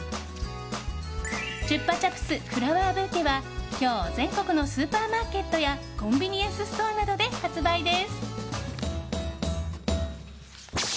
チュッパチャプスフラワーブーケは今日全国のスーパーマーケットやコンビニエンスストアなどで発売です。